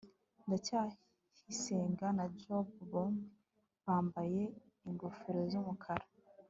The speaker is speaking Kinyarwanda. ndacyayisenga na jabo bombi bambaye ingofero z'umukara